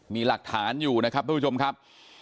มีหลักฐานอยู่นะครับทุกผู้ชมครับ